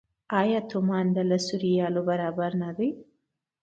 آیا یو تومان د لسو ریالو برابر نه دی؟